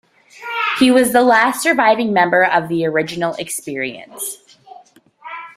He was the last surviving member of the original Experience.